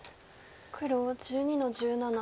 黒１２の十七。